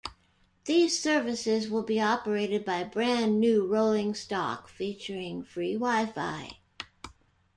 These services will be operated by brand new rolling stock, featuring free WiFi.